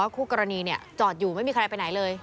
คู่กรณีจอดอยู่ไม่มีใครไปไหนเลย